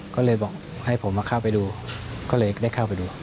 ก็เลยบอกให้ผมมาเข้าไปดูก็เลยได้เข้าไปดู